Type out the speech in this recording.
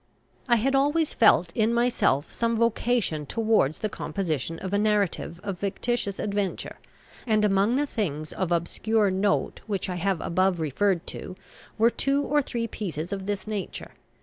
I had always felt in myself some vocation towards the composition of a narrative of fictitious adventure; and among the things of obscure note which I have above referred to were two or three pieces of this nature.